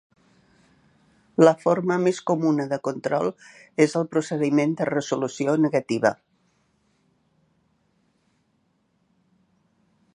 La forma més comuna de control és el procediment de resolució negativa.